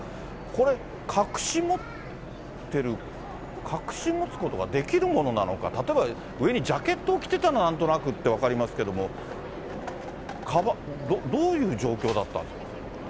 これ、隠し持っている、隠し持つことができるものなのか、例えば上にジャケットを着てたらなんとなくって分かりますけども、かばん、どういう状況だったんですか。